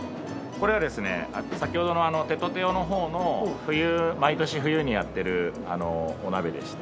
これはですね先ほどのＴＥＴＯ−ＴＥＯのほうの毎年冬にやってるお鍋でして。